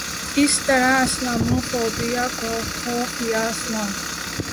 اس طرح Islamophobia خوف یا اسلام